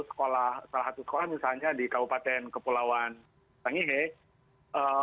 sekolah salah satu sekolah misalnya di kabupaten kepulauan tangihe